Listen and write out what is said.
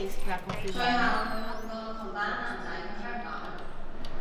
最後距同個同班男仔去香港